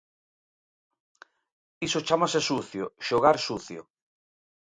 Iso chámase sucio, xogar sucio.